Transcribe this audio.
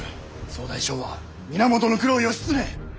総大将は源九郎義経。